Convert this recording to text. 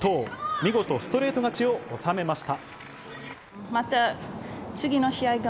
見事ストレート勝ちを収めました。